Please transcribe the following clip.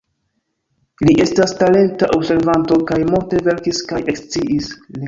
Li estas talenta observanto kaj multe verkis kaj lekciis.